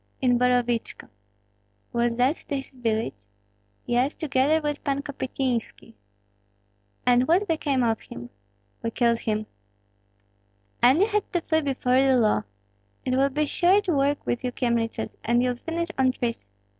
"In Borovichko." "Was that his village?" "Yes, together with Pan Kopystynski." "And what became of him?" "We killed him." "And you had to flee before the law. It will be short work with you Kyemliches, and you'll finish on trees.